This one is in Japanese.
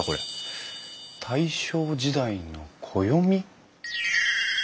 大正時代の暦？